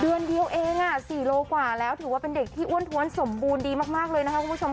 เดือนเดียวเอง๔โลกว่าแล้วถือว่าเป็นเด็กที่อ้วนท้วนสมบูรณ์ดีมากเลยนะคะคุณผู้ชมค่ะ